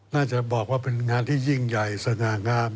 น่าจะบอกว่าเป็นงานที่ยิ่งใหญ่สง่างาม